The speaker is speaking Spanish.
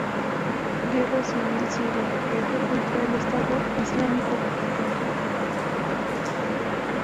Guerra Civil Siria Guerra contra el Estado Islámico Crisis diplomática entre Turquía y Siria